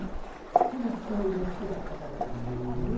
ただ水泳が好きだったからなんですけどね。